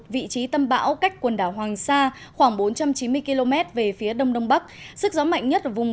vị trí tâm bão cách quần đảo hoàng sa khoảng bốn trăm chín mươi km về phía đông đông bắc sức gió mạnh nhất ở vùng